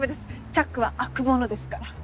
チャックは開くものですから。